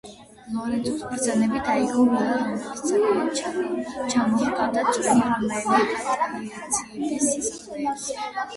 ლორენცოს ბრძანებით აიგო ვილა, რომელიც ძალიან ჩამოჰგავდა ძველი რომაელი პატრიციების სასახლეებს.